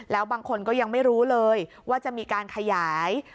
แล้วบางคนก็ยังไม่รู้เลยว่าจะมีการขยาย